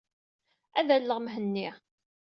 Ad alleɣ Mhenni.